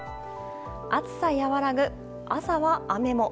暑さ和らぐ、朝は雨も。